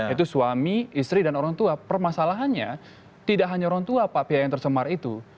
itu suami istri dan orang tua permasalahannya tidak hanya orang tua pak pihak yang tercemar itu